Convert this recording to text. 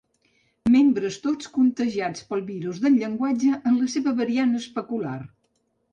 Membres tots contagiats pel virus del llenguatge en la seva variant especular.